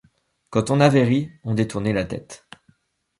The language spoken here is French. Quand on avait ri, on détournait la tête.